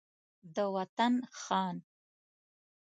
د وطن خان